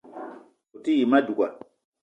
O te yi ma douga